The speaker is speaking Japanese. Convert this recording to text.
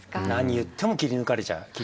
何言っても切り抜かれちゃう。